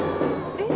えっ？